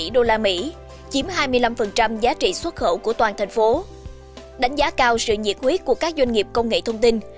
đánh giá cao sự nhiệt huyết của các doanh nghiệp công nghệ thông tin